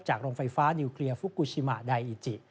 โรงไฟฟ้านิวเคลียร์ฟุกูชิมะไดอิจิ